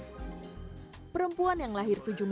ketika prita mengadakan kompetisi di instagram